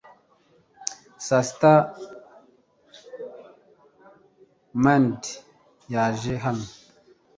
sasita maned yaje hano